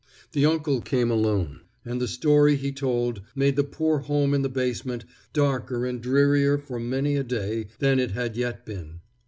The uncle came alone, and the story he told made the poor home in the basement darker and drearier for many a day than it had yet been.